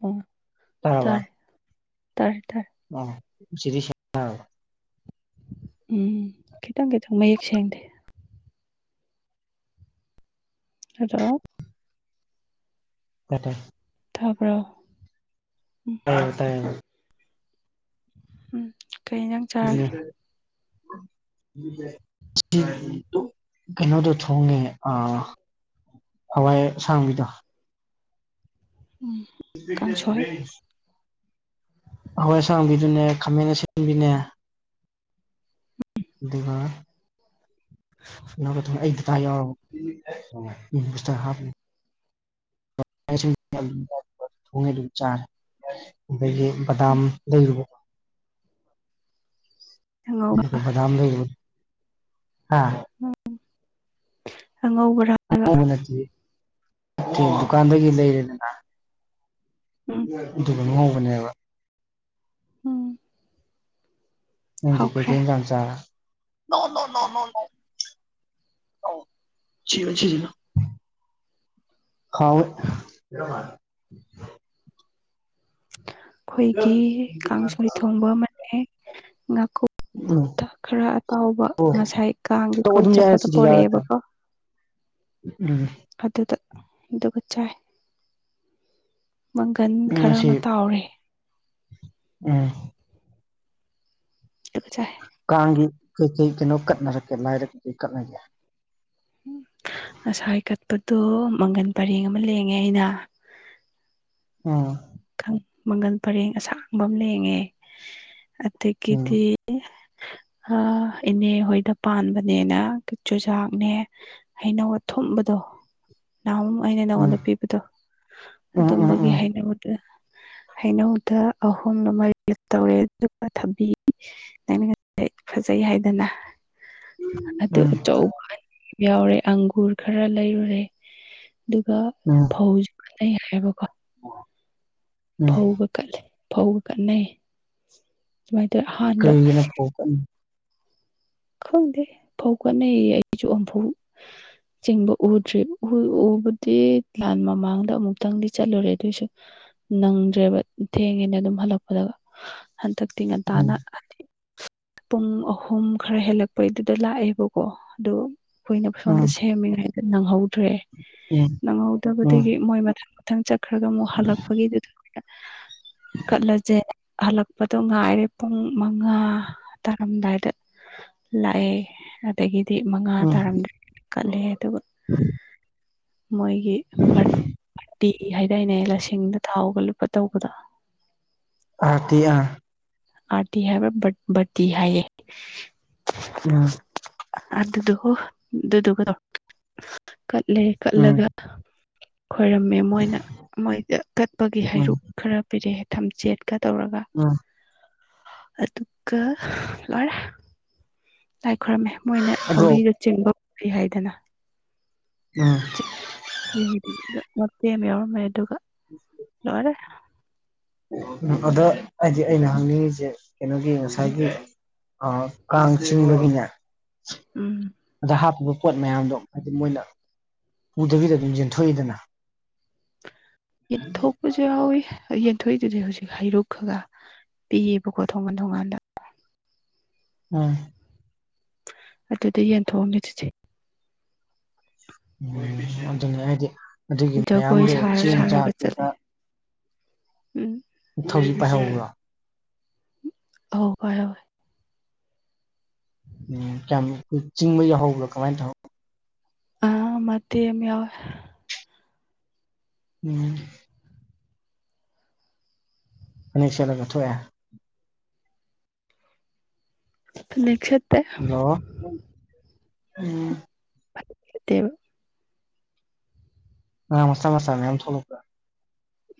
ꯑꯣ ꯇꯔꯦ ꯇꯔꯦ ꯇꯔꯦ ꯑ ꯁꯤ ꯎꯝ ꯈꯤꯇꯪ ꯈꯤꯇꯪ ꯃꯌꯦꯛ ꯁꯦꯡꯗꯦ ꯍꯗꯣ [unintelligible] ꯊꯥꯕ꯭ꯔꯣ ꯇꯌꯦ ꯇꯌꯦ ꯎꯝ ꯀꯩ ꯍꯦꯟꯖꯥꯡ [unintelligible] [unintelligible] ꯀꯩꯅꯣꯗ ꯊꯣꯡꯒꯦ ꯑꯥ ꯍꯋꯥꯏ ꯁꯥꯡꯕꯤꯗꯣ ꯎꯝ [unintelligible] ꯀꯥꯡꯁꯣꯏ ꯔꯦꯛꯁ ꯍꯋꯥꯏ ꯑꯁꯥꯡꯕꯤꯗꯨꯅꯦ ꯈꯥꯃꯦꯟ ꯑꯁꯤꯟꯕꯤꯅꯦ ꯑꯗꯨꯒ [inaudible] ꯅ ꯊ ꯑꯩ ꯇꯥ ꯌꯥꯎꯔꯕꯁꯇ ꯍꯥꯞꯄ ꯊꯣꯡꯉꯗꯨ ꯆꯥ ꯗꯒꯤ ꯕꯗꯥꯝ ꯎꯝ ꯂꯩꯔꯨꯕꯣ ꯑꯉꯧꯕ [unintelligible] ꯎꯝ ꯑꯪꯉꯧꯕ꯭ꯔꯥ ꯅꯠꯇꯦ ꯅꯠꯇ ꯗꯨꯀꯥꯟꯗꯒꯤ ꯂꯩꯔꯦꯗꯅ ꯎꯝ ꯑꯗꯨ ꯍꯕꯅꯦꯕ ꯎꯝ ꯅꯪꯗꯤ ꯀꯩ ꯍꯧꯈ꯭ꯔꯦ ꯀꯩ ꯍꯦꯟꯖꯥꯡ ꯆꯥ [unintelligible] ꯍꯋ ꯈꯣꯏꯒꯤ ꯀꯥꯡꯁꯣꯢ ꯊꯣꯡꯕ ꯑꯃꯅꯦ ꯉꯥꯀꯨꯞ ꯇ ꯈꯔ ꯑꯇꯥꯎꯕ ꯑꯣ ꯉꯁꯥꯏ ꯀꯥꯡꯒꯤ ꯇꯧ ꯀꯣꯏ ꯑꯗꯨꯝ ꯌꯥꯏ ꯆꯠꯄꯗ ꯄꯣꯔꯛꯑꯦꯕꯀꯣ ꯎꯝ ꯑꯗꯨꯗ ꯑꯗꯨꯒ ꯆꯥꯏ ꯃꯪꯒꯟ ꯎꯝ ꯈꯔ ꯉꯁꯤ ꯃꯠ ꯇꯧꯔꯦ ꯎꯝ [unintelligible] ꯀꯥꯡꯒꯤ ꯀꯩ ꯀꯩ ꯀꯩꯅꯣ ꯀꯠꯅꯔꯛꯀꯦ ꯂꯥꯏꯔ ꯀꯩꯀꯩ ꯀꯠꯅꯒꯦ ꯉꯁꯥꯏ ꯍ ꯀꯠꯄꯗꯣ ꯃꯪꯒꯟ ꯄꯔꯦꯡ ꯑꯃ ꯂꯦꯡꯉꯦ ꯑꯩꯅ ꯎꯝ ꯃꯪꯒꯜ ꯄꯔꯦꯡ ꯑꯁꯥꯡꯕ ꯑꯃ ꯂꯦꯡꯉꯦ ꯎꯝ ꯑꯗꯒꯤꯗꯤ ꯑ ꯏꯅꯦ ꯍꯣꯏꯗ ꯄꯥꯟꯕꯅꯦꯅ ꯆꯨꯖꯥꯛꯅꯦ ꯍꯩꯅꯧ ꯑꯊꯨꯝꯕꯗꯣ ꯅꯍꯨꯝ ꯑꯩꯅ ꯎꯝ ꯅꯉꯣꯟꯗ ꯄꯤꯕꯗꯣ ꯎꯝ ꯎꯝ ꯑꯗꯨꯝꯕꯒꯤ ꯎꯝ ꯍꯩꯅꯕ ꯍꯩꯅꯧꯗ ꯑꯍꯣꯡꯅ ꯃꯥꯢꯔꯥ ꯇꯧꯔꯦ ꯑꯗꯨꯒ ꯊꯕꯤ [unintelligible] ꯐꯖꯩ ꯍꯥꯏꯗꯅ ꯑꯗꯨ ꯎꯝ ꯑꯆꯧꯕ ꯌꯥꯎꯔꯦ ꯑꯪꯒꯨꯔ ꯈꯔ ꯂꯩꯔꯨꯔꯦ ꯑꯗꯨꯒ ꯎꯝ ꯐꯧ ꯖꯨ ꯀꯠꯅꯩ ꯍꯥꯏꯕ ꯀꯣ ꯋꯥ ꯎꯒ ꯀꯠꯂꯦ ꯐꯧ ꯀꯠꯅꯩ ꯁꯨꯃꯥꯏ ꯇꯧꯑ ꯑꯍꯥꯟ ꯀꯩꯒꯤꯅ ꯐꯣꯀꯅꯤ ꯈꯪꯗꯦ ꯐꯧ ꯀꯠꯅꯩꯌꯦ ꯑꯩꯁꯨ ꯑꯃꯐꯧ ꯆꯤꯡꯕ ꯎꯗ꯭ꯔꯤ ꯎꯕꯗꯤ ꯂꯥꯟ ꯃꯃꯥꯡꯗ ꯑꯃꯨꯛꯇꯪꯗꯤ ꯆꯠꯂꯨꯔꯦ ꯑꯗꯨꯑꯣꯏꯁꯨ ꯅꯪꯗ꯭ꯔꯦꯕ ꯊꯦꯡꯉꯦꯅꯦ ꯑꯗꯨꯝ ꯍꯜꯂꯛꯄꯗꯒ ꯍꯟꯗꯛꯇꯤ ꯎꯝ ꯉꯟꯇꯥꯅ ꯄꯨꯡ ꯑꯍꯨꯝ ꯈꯔ ꯍꯦꯜꯂꯛꯄꯩꯗꯨꯗ ꯂꯥꯛꯑꯦꯕꯀꯣ ꯑꯗꯨ ꯀꯨꯏꯅ ꯁꯣꯝꯗ ꯎꯝ ꯁꯦꯝꯃꯤꯉꯩꯗ ꯅꯪꯍꯧꯗ꯭ꯔꯦ ꯎꯝ ꯎꯝ ꯅꯪꯍꯧꯗꯕꯗꯒꯤ ꯃꯣꯏ ꯃꯊ ꯊꯪ ꯆꯠꯈ꯭ꯔꯒ ꯑꯃꯨꯛ ꯍꯜꯂꯛꯄꯒꯤꯗꯨꯗ ꯀꯠ ꯀꯠꯂꯖꯦꯅ ꯍꯜꯂꯛꯄꯗꯣ ꯉꯥꯏꯔꯦ ꯄꯨꯡ ꯃꯉꯥ꯫ ꯇꯥꯔꯝꯗꯥꯏꯗ ꯂꯥꯛꯑꯦ ꯑꯗꯒꯤꯗꯤ ꯃꯉꯥ ꯇꯥꯔꯝꯗꯥꯏꯗ ꯀꯠꯂꯦ ꯑꯗꯨꯒ ꯎꯝ ꯃꯣꯏꯒꯤ ꯕꯔꯇꯤ ꯍꯥꯏꯗꯥꯏꯅꯦ ꯂꯁꯤꯡꯗ ꯊꯥꯎꯒ ꯂꯨꯞꯄ ꯇꯧꯕꯗꯣ꯫ ꯑꯥꯔꯇꯤ ꯑꯥꯔ꯫ ꯑꯔꯇꯤ ꯍꯥꯏꯕ ꯔꯗꯤ ꯍꯥꯏ ꯎꯝ ꯑꯗꯨꯗꯨꯍꯣ ꯗꯨꯗꯨꯒ ꯗꯣ ꯀꯠꯂꯦ ꯎꯝ ꯀꯂꯒ ꯈꯣꯏꯔꯝꯃꯦ ꯃꯣꯏꯅ ꯃꯣꯏꯗ ꯀꯠꯄꯒꯤ ꯎꯝ ꯍꯩꯔꯨꯛ ꯈꯔ ꯄꯤꯔꯦ ꯊꯝꯆꯦꯠꯀ ꯇꯧꯔꯒ꯫ ꯎꯝ ꯑꯗꯨꯒ ꯂꯣꯏꯔꯦ ꯂꯥꯏ ꯈꯨꯔꯝꯃꯦ ꯃꯣꯏꯅ ꯑꯗꯣ ꯊꯧꯔꯤꯒ ꯆꯤꯡꯕ ꯎꯏ ꯍꯥꯏꯗꯅ ꯎꯝ꯫ ꯃꯦ ꯃꯥ ꯃꯇꯦꯛ ꯑꯃ ꯌꯥꯎꯔꯝꯃꯦ ꯑꯗꯨꯒ ꯎꯝ ꯂꯧꯔꯦ ꯑꯗ ꯍꯥꯏꯗꯤ ꯑꯩꯅ ꯍꯪꯅꯤꯡꯉꯤꯁꯦ ꯀꯩꯅꯣꯒꯤ ꯉꯁꯥꯏꯒꯤ ꯑ ꯀꯥꯡ ꯆꯤꯡꯕꯒꯤꯅꯦ꯫ ꯎꯝ ꯑꯗ ꯍꯥꯞꯄꯤꯕ ꯄꯣꯠ ꯃꯌꯥꯝꯗꯣ ꯍꯥꯏꯗꯤ ꯃꯣꯏꯅ ꯎꯗꯕꯤꯗ ꯑꯗꯨꯝ ꯌꯦꯟꯊꯣꯛꯏꯗꯅ ꯏꯊ ꯑꯎꯁꯨ ꯌꯥꯎꯍꯧꯋꯤ ꯌꯦꯟꯊꯣꯏꯗꯨꯗꯤ ꯍꯧꯖꯤꯛ ꯍꯩꯔꯨꯛ ꯈꯒ ꯄꯤꯌꯦꯕꯀꯣ ꯊꯣꯡꯉꯥꯟ ꯊꯣꯡꯉꯥꯟꯗ꯫ ꯎꯝ꯫ ꯑꯗꯨꯗ ꯌꯦꯟꯊꯣꯛꯑꯝꯃꯤ ꯆꯤꯆꯦ꯫ ꯎ ꯑꯗꯨꯅꯤ ꯍꯥꯏꯗꯤ ꯑꯗꯨꯒꯤ ꯖꯒꯣꯏ ꯃꯌꯥꯝꯗꯣ ꯁꯥꯔ ꯆꯦꯡ ꯆꯥꯛ ꯁꯥꯔꯒ ꯆꯠꯂꯦ ꯀꯩꯀ ꯎꯝ ꯎꯊꯧꯧꯁꯤ ꯄꯥꯏꯍꯧꯕ꯭ꯔꯣ ꯍ ꯍꯔ ꯎ ꯀꯌꯥꯝ ꯑꯩꯈꯣꯏ ꯆꯤꯡꯕ ꯌꯥꯎꯍꯧꯕ꯭ꯔꯥ ꯀꯃꯥꯏꯅ ꯇꯧ ꯑꯥ ꯃꯇꯦꯛ ꯑꯃꯥ ꯌꯥꯎꯋꯦ ꯎꯝ ꯐꯥꯅꯦꯛ ꯁꯦꯠꯂꯒꯥ ꯊꯣꯛꯑꯦ ꯅꯦꯠꯁꯛ ꯍꯜꯂꯣ ꯎꯝ ꯇꯦ ꯑꯉꯥꯡ ꯃꯆꯥ ꯝꯆꯥ ꯃꯌꯥꯝ ꯊꯣꯛꯂꯛꯄꯗꯣ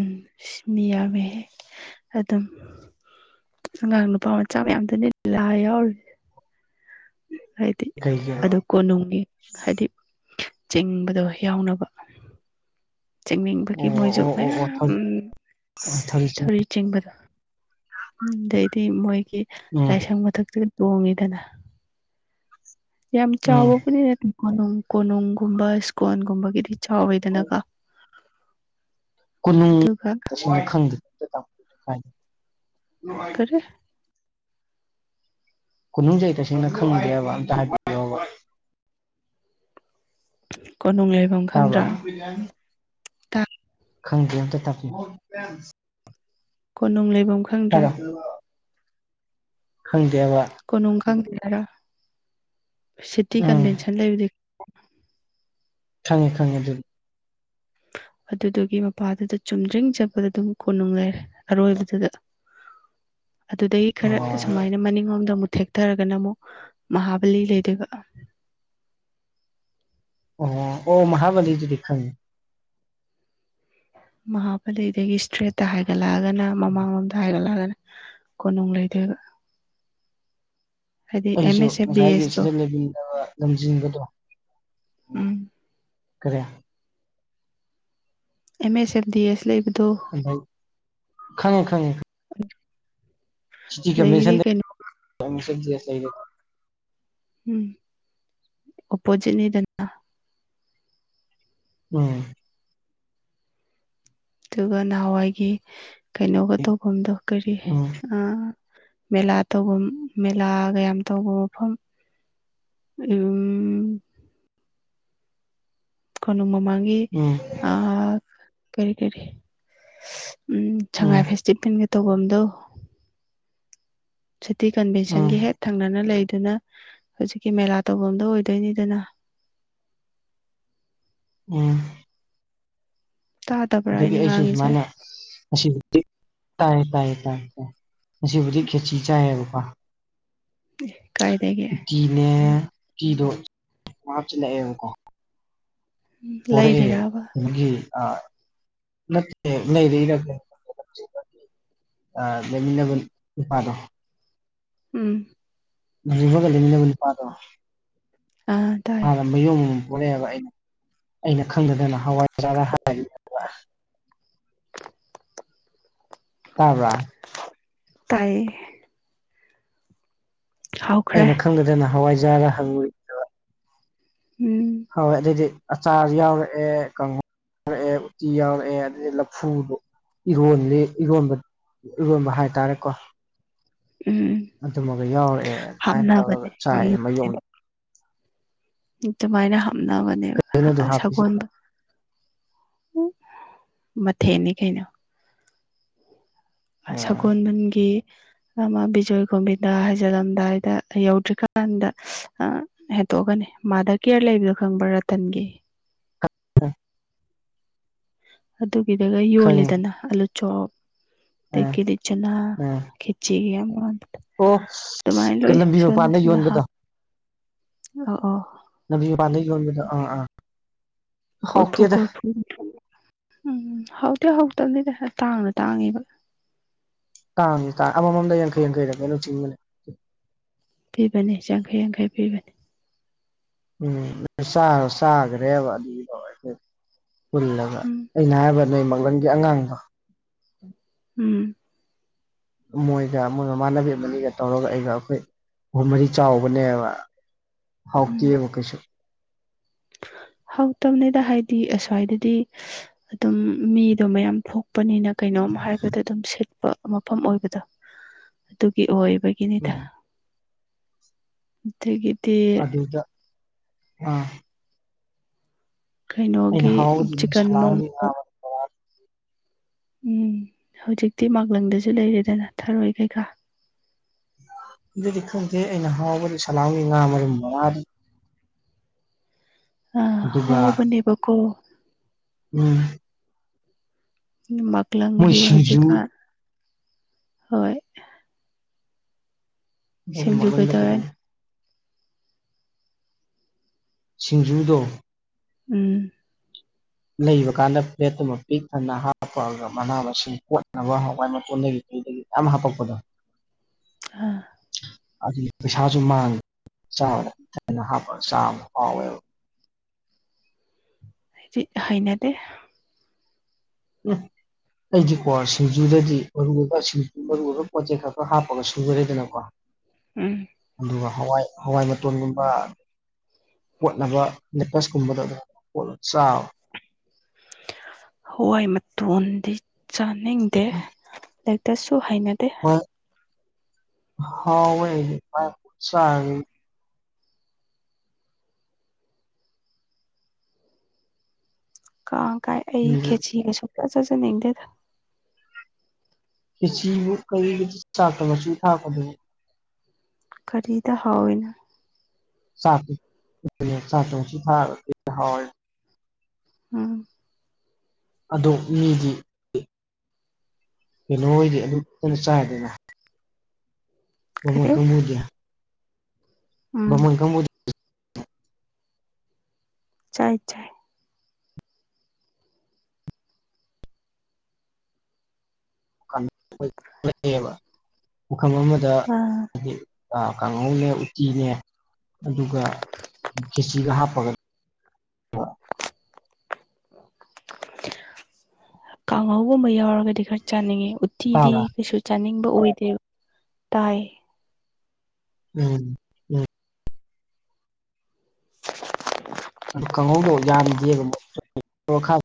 ꯎ ꯁꯤ ꯃꯤ ꯌꯥꯝꯃꯦꯍꯦ ꯑꯗꯨꯝ ꯑꯉꯥꯡ ꯅꯨꯄꯥ ꯃꯆꯥ ꯃꯌꯥꯝꯗꯅꯤ ꯂꯥꯏ ꯌꯥꯎꯔꯤ ꯍꯥꯏꯗꯤ ꯀꯩꯒꯤ ꯑꯗꯨ ꯑꯣ ꯀꯣꯅꯨꯡꯒꯤ ꯍꯥꯏꯗꯤ ꯆꯤꯡꯕꯗꯣ ꯌꯥꯎꯅꯕ ꯆꯪꯅꯤꯡꯕꯒꯤ ꯃꯣꯏꯁꯨ ꯑꯣ ꯑꯣ ꯑꯣ ꯃꯌꯥꯝ ꯊꯧꯔꯤ ꯊꯧꯔꯤ ꯆꯤꯡꯕꯗꯣ ꯑꯗꯩꯗꯤ ꯃꯣꯏꯒꯤ ꯎꯝ ꯂꯥꯏꯁꯪ ꯃꯊꯛꯇ ꯇꯣꯡꯉꯤꯗꯅ ꯌꯥꯝ ꯎꯝ ꯆꯥꯎꯕꯕꯨꯗꯤ ꯅꯦ ꯀꯣꯅꯨꯡ ꯀꯣꯅꯨꯡꯒꯨꯝꯕ ꯁ꯭ꯀꯣꯟꯒꯨꯝꯕꯒꯤꯗꯤ ꯆꯥꯎꯋꯤꯗꯅꯀꯣ ꯀꯣꯅꯨꯡ ꯑꯗꯨꯒ ꯈꯪꯗꯦ [unintelligible] ꯀꯣꯅꯨꯡꯖꯤ ꯑꯩ ꯇꯁꯦꯡꯅ ꯈꯪꯗꯦꯕ ꯑꯇꯥ ꯍꯥꯏꯕꯤꯌꯨ ꯀꯣꯅꯨꯡ ꯂꯩꯐꯝ ꯈꯪꯗ꯭ꯔꯥ ꯇꯥꯕꯔ ꯈꯪꯗꯦ ꯑꯝꯇ ꯇꯥꯛꯄꯤꯌꯨ ꯀꯣꯅꯨꯡ ꯂꯩꯕꯐꯝ ꯍꯥꯏꯔꯣ ꯈꯪꯗꯦꯕ ꯀꯣꯅꯨꯡ ꯈꯪꯗꯦ ꯍꯥꯏꯔꯣ ꯁꯤꯇꯤ ꯎꯝ ꯀꯟꯚꯦꯟꯁꯟ ꯂꯩꯕꯗꯨꯗꯤ ꯈꯪꯉꯦ ꯈꯪꯉꯦ ꯑꯗꯨꯗꯤ ꯑꯗꯨꯗꯨꯒꯤ ꯃꯄꯥꯗꯨꯗ ꯆꯨꯝꯗ꯭ꯔꯤꯡ ꯆꯠꯄꯗ ꯑꯗꯨꯝ ꯀꯣꯅꯨꯡ ꯂꯩꯔꯦ ꯑꯔꯣꯏꯕꯗꯨꯗ ꯑꯗꯨꯗꯒꯤ ꯈꯔ ꯑꯣ ꯁꯨꯃꯥꯏꯅ ꯃꯅꯤꯡꯂꯣꯝꯗ ꯑꯃꯨꯛ ꯊꯦꯛꯊꯔꯒꯅ ꯑꯃꯨꯛ ꯃꯍꯥꯕꯂꯤ ꯂꯩꯗꯨꯕ ꯑꯣ ꯑꯣ ꯃꯥꯕꯂꯤꯗꯨꯗꯤ ꯈꯪꯉꯦ ꯃꯍꯥꯛꯄꯂꯤꯗꯒꯤ ꯏꯁꯇ꯭ꯔꯦꯠꯇ ꯍꯥꯏꯒꯠꯂꯛꯑꯒꯅ ꯃꯃꯥꯡ ꯍꯥꯏꯒꯠꯂꯒꯅ ꯀꯣꯅꯨꯡ ꯂꯩꯗꯨꯏꯕ ꯑꯦꯝ ꯑꯩꯁꯨ ꯑꯦꯁ ꯑꯦꯐ ꯗꯤ ꯉꯁꯥꯏꯒꯤ ꯑꯦꯁꯇꯣ ꯁꯤꯗ ꯂꯩꯃꯤꯗꯕ ꯂꯝꯖꯤꯡꯕꯗꯣ ꯎꯝ ꯀꯔꯤ ꯑꯦꯝ ꯑꯦꯁ ꯑꯦꯝ ꯗꯤ ꯑꯦꯁ ꯂꯩꯕꯗꯣ ꯑ ꯈꯪꯉꯦ ꯈꯪꯉꯦ [unintelligible] ꯁꯤꯇꯤ ꯑꯗꯒꯤꯗꯤ ꯀꯁꯟꯗ ꯀꯩꯅꯣ [unintelligible] ꯎꯝ ꯑꯣꯄꯣꯖꯤꯠꯅꯤꯗꯅ ꯎꯝ ꯑꯗꯨꯒ ꯅꯍꯥꯟꯋꯥꯏꯒꯤ ꯀꯩꯅꯣꯒ ꯇꯧꯐꯝꯗꯣ ꯀꯔꯤ ꯎꯝ ꯑꯥ ꯃꯦꯂꯥ ꯇꯧꯐꯝ ꯃꯦꯂꯥꯒ ꯌꯥꯝ ꯇꯧꯕ ꯃꯐꯝ ꯎꯝ ꯀꯣꯅꯨꯡ ꯃꯃꯥꯡꯒꯤ ꯎꯝ ꯑ ꯀꯔꯤ ꯀꯔꯤ ꯎꯝ ꯎꯝ ꯁꯉꯥꯏ ꯐꯦꯁꯇꯤꯚꯦꯜꯒ ꯇꯧꯐꯝꯗꯣ ꯁꯤꯇꯤ ꯎꯝ ꯀꯟꯚꯦꯟꯁꯟꯒꯤ ꯍꯦꯠ ꯊꯪꯅꯅ ꯂꯩꯗꯨꯅ ꯍꯧꯖꯤꯛꯀꯤ ꯃꯦꯂꯥ ꯇꯧꯐꯝꯗꯣ ꯑꯣꯏꯗꯣꯏꯅꯤꯗꯅ ꯎꯝ ꯇꯥ ꯑꯗꯒꯤ ꯑꯩꯁꯨ ꯁꯨꯃꯥꯏꯅ ꯑꯁꯤꯕꯨꯗꯤ ꯇꯥꯏꯌꯦ ꯇꯥꯏꯌꯦ ꯇꯥꯏ ꯇꯥꯏ ꯑꯁꯤꯕꯨꯗꯤ ꯈꯦꯆꯤ ꯆꯥꯏꯌꯦꯕꯀꯣ ꯑꯦ ꯀꯥꯏꯗꯒꯤ ꯎꯇꯤꯅꯦ ꯎꯇꯤꯗꯣ ꯍꯥꯞꯆꯜꯂꯛꯑꯦꯕꯀꯣ ꯄꯨꯔꯛꯑꯦ ꯂꯩꯔꯤꯔꯕ ꯑꯒꯤ ꯑꯥ ꯅꯠꯇꯦ ꯂꯩꯔꯛꯔꯥ ꯑꯥ ꯂꯩꯃꯤꯟꯅꯕ ꯅꯨꯄꯥꯗꯣ ꯎꯝ [unintelligible] ꯂꯩꯃꯤꯟꯅꯕ ꯅꯨꯄꯥꯗꯣ ꯑꯥ ꯇꯥꯏ ꯃꯌꯨꯝ ꯑꯃꯝ ꯄꯣꯛꯂꯛꯑꯦꯕ ꯑꯩꯅ ꯑꯩꯅ ꯈꯪꯗꯗꯅ ꯍꯋꯥꯏꯖꯥ ꯍꯥꯏꯔꯤꯕ ꯇꯥꯕ꯭ꯔ ꯇꯥꯏꯌꯦ ꯍꯥꯎꯈ꯭ꯔꯦ ꯑꯩꯅ ꯈꯪꯗꯗꯅ ꯍꯋꯥꯏꯖꯥꯔ ꯍꯪꯉꯨꯏ ꯎꯝ ꯍꯥꯎꯑ ꯑꯗꯨꯗꯤ ꯑꯆꯥꯔꯁꯨ ꯌꯥꯎꯔꯛꯑꯦ ꯌꯥꯎꯔꯛꯑꯦ ꯎꯇꯤ ꯌꯥꯎꯔꯛꯑꯦ ꯑꯗꯨꯗꯒꯤ ꯂꯐꯨꯗꯣ ꯏꯔꯣꯜꯂꯤ ꯏꯔꯣꯟꯕ ꯏꯔꯣꯟꯕ ꯍꯥꯏꯇꯥꯔꯦꯀꯣ ꯎꯝ ꯑꯗꯨꯃꯒ ꯌꯥꯎꯔꯛꯑꯦ ꯑꯗꯨꯃꯥꯏꯅ ꯇꯧꯔꯒ ꯍꯥꯞꯅꯕꯅꯦ ꯆꯥꯏ ꯃ ꯌ ꯍꯥꯞꯅꯕꯅꯦ ꯑꯗꯨꯃꯥꯏꯅ ꯍꯥꯞꯅꯕꯅꯦꯕ ꯂꯣꯏꯅꯗꯣ ꯍꯥꯞꯄꯤꯁꯦ ꯁꯒꯣꯜ ꯃꯊꯦꯜꯅꯤ ꯀꯩꯅꯣ ꯑꯥ ꯁꯒꯣꯜꯕꯟꯒꯤ ꯑꯃ ꯕꯤꯖꯣꯏ ꯒꯣꯕꯤꯟꯗ ꯍꯥꯏꯖꯜꯂꯝꯗꯥꯏꯗ ꯌꯧꯗ꯭ꯔꯤꯀꯥꯟꯗ ꯍꯦꯇꯣꯛꯑꯒꯅꯤ ꯃꯥꯗ ꯀꯦꯌꯔ ꯂꯩꯕꯗꯣ ꯈꯪꯕ꯭ꯔꯥ ꯔꯇꯟꯒꯤ ꯑꯗꯨꯒꯤꯗꯒ ꯈꯪꯉꯦ ꯌꯣꯂꯗꯅ ꯑꯥꯂꯨꯆꯣꯞ ꯑ ꯑꯥ ꯀꯦꯂꯤꯆꯅꯥ ꯑꯥ ꯑꯣ ꯇꯃꯥꯏ ꯂ ꯂꯝꯕꯤ ꯃꯄꯥꯟꯗ ꯁꯅꯁꯨꯅ ꯍꯥ ꯌꯣꯟꯕꯗꯣ ꯑ ꯑꯣ ꯂꯝꯕꯤ ꯃꯄꯥꯟꯗꯒꯤ ꯌꯣꯟꯕꯗꯣ ꯑꯥ ꯑꯥ ꯀꯣꯔꯐꯨ ꯍꯥꯎꯇꯦꯗ ꯀꯣꯔꯐꯨ ꯎꯝ ꯍꯥꯎꯗꯤꯤ ꯍꯧꯇꯕꯅꯤꯗ ꯇꯥꯡꯅ ꯇꯥꯡꯉꯦꯕ ꯇꯥꯡꯉ ꯇꯥꯡ ꯑꯃꯃꯝꯗ ꯌꯥꯡꯈꯩ ꯌꯥꯡꯈꯩꯗꯅꯦꯩꯅꯅ ꯆꯤꯡꯕꯅꯦ ꯄꯤꯕꯅꯤ ꯌꯥꯡꯈꯩ ꯌꯥꯡꯈꯩ ꯄꯤꯕꯅꯤ ꯎꯝ ꯁꯥꯒ ꯁꯥꯒ ꯔꯦꯗ ꯄꯨꯜꯂꯒ ꯎꯝ ꯑꯩꯅ ꯍꯥꯏꯕ ꯅꯣꯏ ꯃꯥꯡꯂꯪꯒꯤ ꯑꯉꯥꯡꯗꯣ ꯎꯝ ꯃꯣꯏꯒ ꯃꯣꯏ ꯃꯃꯥꯟꯅꯕꯤ ꯑꯃꯅꯤꯅꯤꯒ ꯇꯧꯔꯒ ꯑꯩꯒ ꯑꯩꯈꯣꯏ ꯃꯔꯤ ꯆꯥꯎꯕꯅꯦꯕ ꯎꯝ ꯍꯥꯎꯀꯤ ꯑꯣꯀꯦꯁ ꯍꯥꯎꯇꯕꯅꯤꯗ ꯍꯥꯏꯗꯤ ꯑꯁ꯭ꯋꯥꯏꯗꯗꯤ ꯑꯗꯨꯝ ꯃꯤꯗꯣ ꯃꯌꯥꯝ ꯊꯣꯛꯄꯅꯤꯅ ꯀꯩꯅꯣꯝ ꯍꯥꯏꯕꯗ ꯑꯗꯨꯝ ꯁꯤꯠꯄ ꯃꯐꯝ ꯑꯣꯏꯕꯗꯣ ꯑꯗꯨꯒꯤ ꯑꯣꯏꯕꯒꯤꯅꯤꯗ ꯎꯝ ꯑꯗꯨꯗꯒꯤꯗꯤ ꯑꯗꯨꯗ ꯑ ꯑꯩꯅ ꯀꯩꯅꯣꯒꯤ ꯍꯥꯎꯕꯗꯤ ꯆꯤꯛꯀꯟ ꯔꯣꯝ ꯁꯂꯥꯝꯒꯤ ꯉꯥ ꯃꯔꯨꯝ ꯕꯣꯔꯥ ꯎꯝ ꯍꯧꯖꯤꯛꯇꯤ ꯃꯥꯛꯂꯪꯗꯁꯨ ꯂꯩꯔꯦꯗꯅ ꯊꯥꯔꯣꯏ ꯀꯩꯀꯥ ꯑꯗꯨꯗꯤ ꯈꯪꯗꯦ ꯑꯩꯅ ꯍꯥꯎꯕꯗꯤ ꯁꯂꯥꯝꯒꯤ ꯉꯥ ꯃꯔꯨꯝ ꯑ ꯑꯗꯨꯒ ꯍꯥꯎ ꯅꯤꯕꯀꯣ ꯎꯝ ꯃꯣꯏ ꯃꯀꯂꯪꯒꯤ ꯁꯤꯡꯖꯨ ꯍꯧꯖꯤꯛꯀꯥꯟ ꯍꯣꯏ ꯑꯗꯨ ꯁꯤꯡꯖꯨ ꯃꯪꯗꯀꯗꯝ ꯀꯩꯗꯧꯔꯦꯅ ꯁꯤꯡꯖꯨꯗꯣ ꯎꯝ ꯂꯩꯕ ꯀꯥꯟꯗ ꯐ꯭ꯂꯦꯠꯨ ꯑꯃ ꯄꯤꯛ ꯊꯪꯅ ꯍꯥꯞꯄꯑꯒ ꯃꯅꯥ ꯃꯁꯤꯡ ꯀꯣꯠꯅꯕ ꯍꯋꯥꯏ ꯃꯇꯣꯟꯗꯒꯤ ꯀꯗꯒꯤ ꯃꯌꯥꯝ ꯍꯞꯄꯛꯄꯗꯣ ꯑꯥ ꯑꯗꯨꯗꯤ ꯄꯩꯁꯥꯁꯨ ꯃꯥꯡꯗꯦ ꯆꯥꯕꯗ ꯏꯊꯅ ꯍꯥꯞꯄꯒ ꯆꯥꯕ ꯍꯥꯎꯋꯦꯕ ꯍꯩꯅꯗꯦ ꯎꯝ ꯑꯩꯗꯤꯀꯣ ꯁꯤꯡꯖꯨꯗꯗꯤ ꯃꯔꯨ ꯑꯣꯏꯕ ꯁꯤꯡꯖꯨ ꯃꯔꯨ ꯑꯣꯏꯕ ꯄꯣꯠ ꯆꯩꯩ ꯈꯔ ꯈꯔ ꯍꯥꯞꯄꯒ ꯁꯨꯈꯔꯦꯗꯅꯀꯣ꯫ [inaudible] ꯎꯝ꯫ ꯑꯗꯨꯒ ꯍꯋꯥꯏ ꯍꯋꯥꯏ ꯃꯇꯣꯟꯒꯨꯝꯕ ꯀꯣꯠꯅꯕ ꯅꯦꯀꯇꯁꯀꯨꯝꯕꯗꯣ ꯑꯗꯨꯝ ꯀꯣꯠꯂ ꯆꯥꯋ ꯍꯋꯥꯏ ꯃꯇꯣꯟꯗꯤ ꯆꯥꯅꯤꯡꯗꯦ ꯂꯥꯏꯔꯤꯛꯇꯁꯨ ꯍꯩꯅꯗꯦ ꯍ ꯍꯥꯎꯥꯏ ꯎ ꯁꯥ ꯍꯥꯏ ꯀꯥꯡ ꯀꯥꯏ ꯑꯩ ꯃꯤꯗꯤ ꯈꯦꯆꯤꯒ ꯁꯨꯡꯆꯥ ꯆꯥꯖꯅꯤꯡꯗꯦꯗ꯫ ꯈꯦꯆꯤꯕꯨ ꯀꯔꯤ ꯕꯤꯠ ꯆꯥꯛꯇ ꯃꯆꯨ ꯊꯥꯛꯄꯗꯨꯕꯨ꯫ ꯈꯔꯤꯗ ꯍꯅ ꯆꯥꯇ ꯆꯥꯇꯣꯡꯁꯨ ꯊꯥꯔ ꯍ ꯎꯝ꯫ ꯑꯗꯣ ꯃꯤꯗꯤ꯫ ꯀꯩꯅꯣ ꯍꯣꯏꯗꯤ ꯑꯗꯨꯇꯅ ꯆꯥꯗꯅ ꯕꯥꯃꯣꯟ ꯀꯔꯤ ꯀꯃꯕꯨꯗꯤ ꯎꯝ ꯕꯥꯃꯣꯟ ꯀꯥꯡꯕꯨꯗꯤ ꯆꯥꯏ ꯆꯥꯏ꯫ [unintelligible] ꯄꯐꯝ ꯑꯃꯗ ꯑ ꯀꯥꯡꯍꯧꯅꯦ ꯎꯇꯤꯅꯦ ꯑꯗꯨꯒ ꯈꯦꯆꯤꯒ ꯍꯥꯞꯄꯒ ꯀꯥꯡꯍꯧꯒꯨꯝꯕ ꯌꯥꯎꯔꯒꯗꯤ ꯈꯔ ꯆꯥꯅꯤꯡꯉꯤ ꯎꯠꯇꯤꯗꯤ ꯇꯥꯕ꯭ꯔꯥ ꯀꯩꯁꯨ ꯆꯥꯅꯤꯡꯕ ꯑꯣꯏꯗꯦꯕ ꯇꯥꯏ꯫ ꯎꯝ ꯎꯝ ꯑꯗꯨ ꯀꯥꯡꯪꯍꯧꯗꯣ ꯌꯥꯝꯗꯦꯕ [unintelligible]